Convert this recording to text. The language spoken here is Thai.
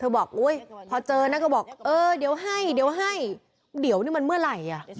เธอบอกอุ๊ยพอเจอน่ะก็บอกเดี๋ยวให้เดี๋ยวน่ะมันเมื่อไหนอ่ะ